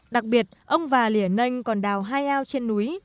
đặc biệt ông và liền ninh còn đào hai ao trên núi